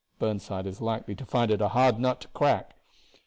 Burnside is likely to find it a hard nut to crack.